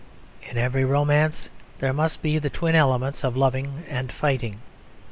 In every romance there must be the twin elements of loving and fighting.